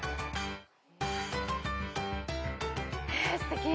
えすてき！